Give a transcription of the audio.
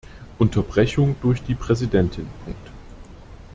Unterbrechung durch die Präsidentin.